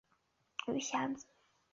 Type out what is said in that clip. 鱼显子